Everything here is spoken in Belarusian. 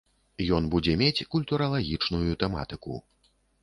Ён будзе мець культуралагічную тэматыку.